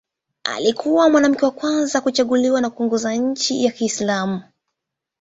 Alikuwa mwanamke wa kwanza kuchaguliwa na kuongoza nchi ya Kiislamu.